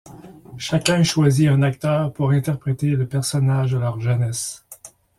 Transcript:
Chacun choisit un acteur pour interpréter le personnage de leur jeunesse.